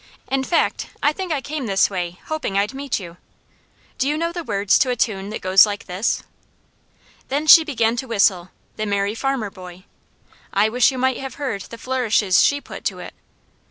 "In fact I think I came this way hoping I'd meet you. Do you know the words to a tune that goes like this?" Then she began to whistle "The Merry Farmer Boy." I wish you might have heard the flourishes she put to it.